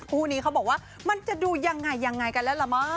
คู่นี้เขาบอกว่ามันจะดูยังไงยังไงกันแล้วล่ะมั้